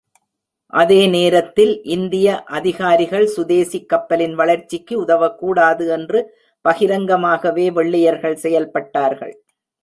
அதே நேரத்தில் இந்திய அதிகாரிகள் சுதேசிக் கப்பலின் வளர்ச்சிக்கு உதவக் கூடாது என்று பகிரங்கமாகவே வெள்ளையர்கள் செயல்பட்டார்கள்.